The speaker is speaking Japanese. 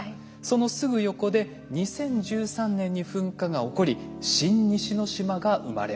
そのすぐ横で２０１３年に噴火が起こり新西之島が生まれました。